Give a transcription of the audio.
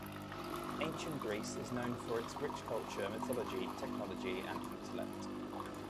Ancient Greece is known for its rich culture, mythology, technology and intellect.